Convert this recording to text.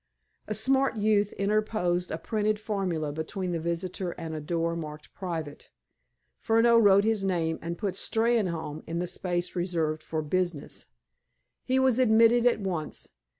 A smart youth interposed a printed formula between the visitor and a door marked "Private." Furneaux wrote his name, and put "Steynholme" in the space reserved for "business." He was admitted at once.